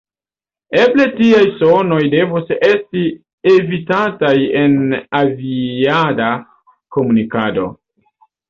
Eble tiaj sonoj devus esti evitataj en aviada komunikado.